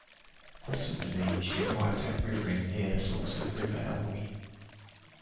Ultimately she arrived at Gwytherin near the source of the River Elwy.